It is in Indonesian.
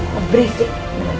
mas berisik hidur